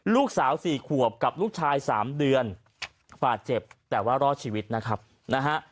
ลูกสาวสี่ขวบกับลูกชายสามเดือนบาดเจ็บแต่ว่ารอดชีวิตนะครับนะฮะ